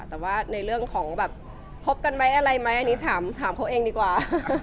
แต่ว่าในเรื่องของแบบพบกันไหมอะไรไหมอันนี้ถามเขาเองดีกว่า